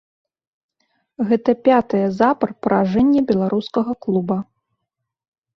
Гэта пятае запар паражэнне беларускага клуба.